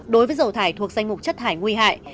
đối với dầu thải thuộc danh mục chất thải nguy hại